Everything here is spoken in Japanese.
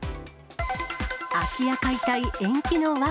空き家解体延期の訳。